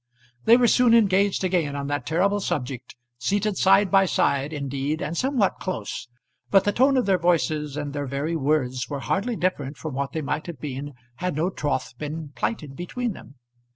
They were soon engaged again on that terrible subject, seated side by side indeed and somewhat close, but the tone of their voices and their very words were hardly different from what they might have been had no troth been plighted between them.